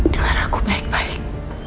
dengar aku baik baik